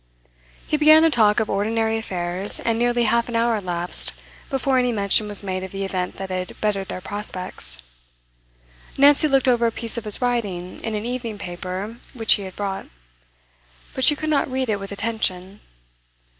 He began to talk of ordinary affairs, and nearly half an hour elapsed before any mention was made of the event that had bettered their prospects. Nancy looked over a piece of his writing in an evening paper which he had brought; but she could not read it with attention.